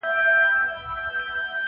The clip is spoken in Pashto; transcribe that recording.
لا تر اوسه پر کږو لارو روان یې,